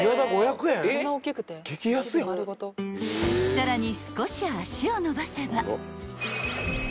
［さらに］